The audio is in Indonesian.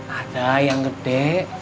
ada yang gede